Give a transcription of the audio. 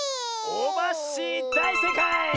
オバッシーだいせいかい！